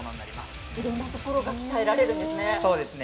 いろんなところが鍛えられるんですね。